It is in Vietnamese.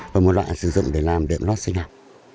và một loại sử dụng để làm đệm lót sinh học